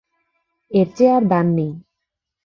এর চেয়ে আর দান নেই।